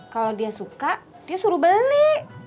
kalau dia suka dia suruh beli